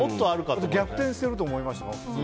逆転すると思いました。